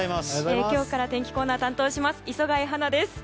今日から天気コーナー担当します磯貝初奈です。